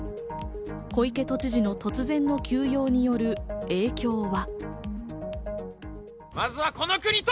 小池都知事の突然の休養による影響は。